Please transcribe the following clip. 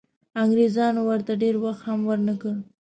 انګریزانو ورته ډېر وخت هم ورنه کړ.